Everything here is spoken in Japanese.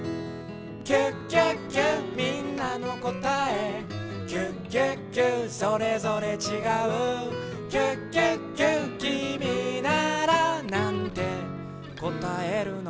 「キュキュキュみんなのこたえ」「キュキュキュそれぞれちがう」「キュキュキュきみならなんてこたえるの？」